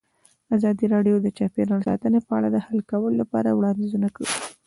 ازادي راډیو د چاپیریال ساتنه په اړه د حل کولو لپاره وړاندیزونه کړي.